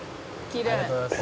「ありがとうございます」